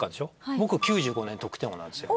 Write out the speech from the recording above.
僕９５年得点王なんですよ。